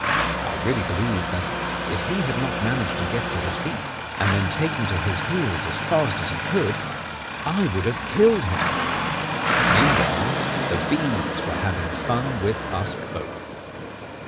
I really believe that, if he had not managed to get to his feet, and then taken to his heels as fast as he could, I would have killed him. Meanwhile the bees were having fun with us both.